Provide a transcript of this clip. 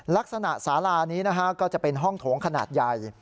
ลักษณะสาลานี้นะฮะก็จะเป็นห้องโถงขนาดใหญ่